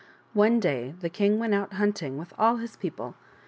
One day the king went out hunting with all his people.